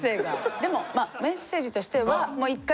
でもまあメッセージとしては一回